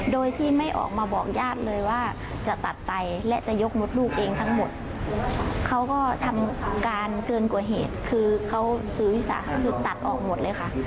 โดยที่ไม่ออกมาบอกญาติเลยว่าจะตัดไตและจะยกมดลูกเองทั้งหมดเขาก็ทำการเกินกว่าเหตุคือเขาสื่อวิสาเขาสุดตัดออกหมดเลยค่ะ